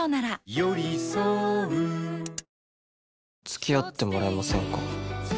付き合ってもらえませんか？